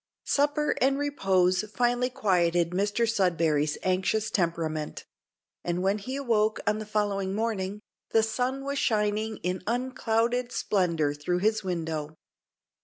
Supper and repose finally quieted Mr Sudberry's anxious temperament; and when he awoke on the following morning, the sun was shining in unclouded splendour through his window.